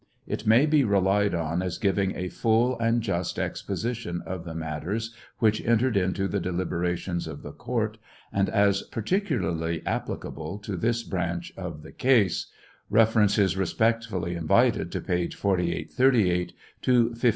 It may be relied on as giving a full and just exposition of the matters which entered into the deliber ations of the court, and, as particularly applicable to this branch of the case, reference is respectfully invited to pages 4838 to 5148.